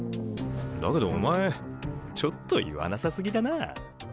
だけどお前ちょっと言わなさすぎだな。